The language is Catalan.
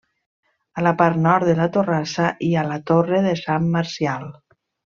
A la part nord de la torrassa hi ha la torre de Sant Marcial.